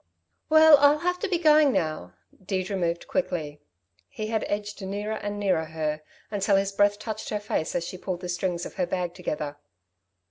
"Well, I'll have to be going now!" Deirdre moved quickly. He had edged nearer and nearer her, until his breath touched her face as she pulled the strings of her bag together.